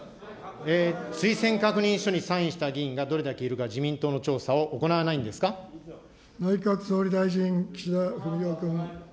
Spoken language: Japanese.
推薦確認書にサインした議員がどれだけいるか、自民党の調査内閣総理大臣、岸田文雄君。